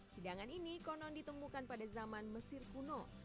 hidangan ini konon ditemukan pada zaman mesir kuno